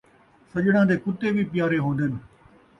سڄݨاں دے کتّے وی پیارے ہون٘دن